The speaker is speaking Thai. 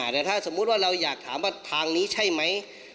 แต่ถ้าสมมุติว่าเราอยากถามว่าทางนี้ใช่ไหม